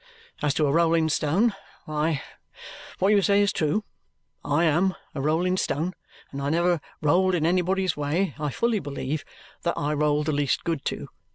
As to a rolling stone, why, what you say is true. I AM a rolling stone, and I never rolled in anybody's way, I fully believe, that I rolled the least good to.